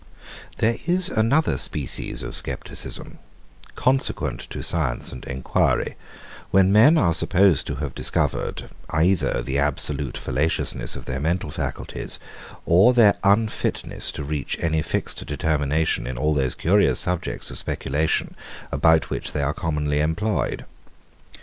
117. There is another species of scepticism, consequent to science and enquiry, when men are supposed to have discovered, either the absolute fallaciousness of their mental faculties, or their unfitness to reach any fixed determination in all those curious subjects of speculation, about which they are commonly employed.